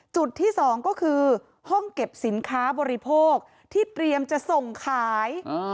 จุดที่๒ก็คือห้องเก็บสินค้าบริโภคที่เตรียมจะส่งขาย